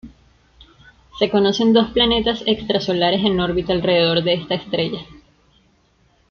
Se conocen dos planetas extrasolares en órbita alrededor de esta estrella.